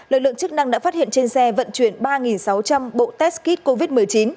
lực lượng chức năng đã phát hiện trên xe vận chuyển ba sáu trăm linh bộ test kit covid một mươi chín